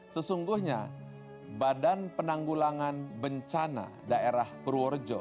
sesungguhnya badan penanggulangan bencana daerah purworejo